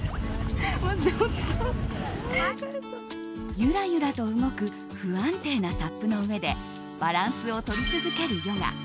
ゆらゆらと動く不安定なサップの上でバランスを取り続けるヨガ。